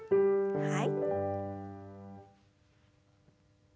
はい。